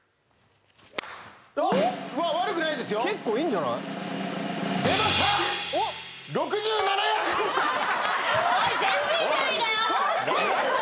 悪くないですよ結構いいんじゃない？出ました！